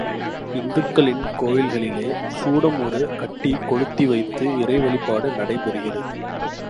இந்துக்களின் கோவில்களிலே, சூடம் ஒரு கட்டிகொளுத்திவைத்து இறைவழிபாடு நடைபெறுகிறது.